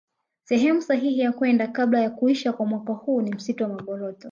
Sehemu sahihi ya kwenda kabla ya kuisha kwa mwaka huu ni msitu wa Magoroto